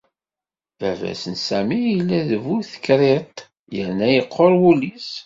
Baba-s n Sami yella d bu tekriṭ yerna yeqqur wul-is.